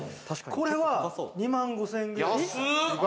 これは２万５０００円くらい。